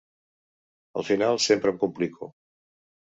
Al final, sempre em complico.